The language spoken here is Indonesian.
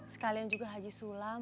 sekalian juga haji sulam